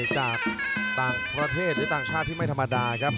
จากต่างประเทศหรือต่างชาติที่ไม่ธรรมดาครับ